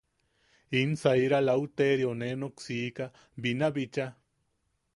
In saira Lauterio nee nuksiika binabicha.